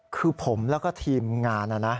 คือผมแล้วก็ทีมงาน